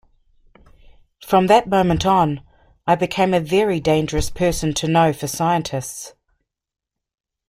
From that moment on, I became a very dangerous person to know for scientists.